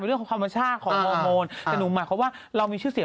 มีเรื่องความประชาของโมงเสีย